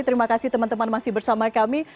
terima kasih teman teman masih bersama kami